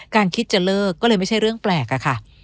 การคิดจะเลิกก็เลยไม่ใช่เรื่องแปลก